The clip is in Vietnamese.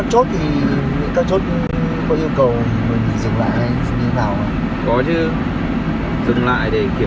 các chốt có yêu cầu mình dừng lại hay như thế nào ạ